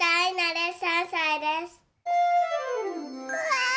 うわ！